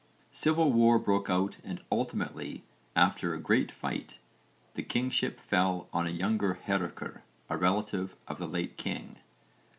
Civil war broke out and ultimately, after a great fight, the kingship fell to a younger Hárekr, a relative of the late king.